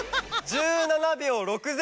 １７秒６０！